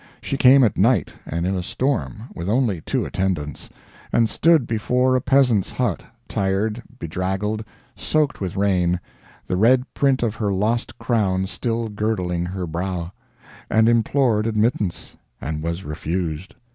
She came at night, and in a storm, with only two attendants, and stood before a peasant's hut, tired, bedraggled, soaked with rain, "the red print of her lost crown still girdling her brow," and implored admittance and was refused!